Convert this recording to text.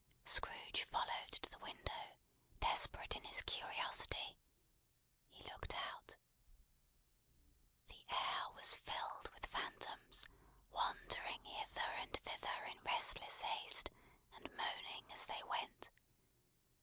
Scrooge followed to the window: desperate in his curiosity. He looked out. The air was filled with phantoms, wandering hither and thither in restless haste, and moaning as they went.